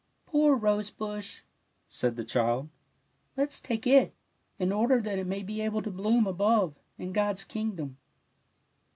'' Poor rose bush! '' said the child; let's take it, in order that it may be able to bloom above, in God's kingdom."